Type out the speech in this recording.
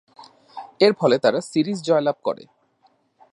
এরফলে তারা সিরিজ জয়লাভ করে।